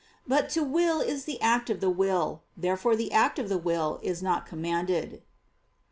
But to will is the act of the will. Therefore the act of the will is not commanded.